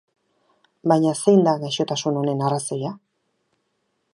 Baina zein da gaixotasun honen arrazoia?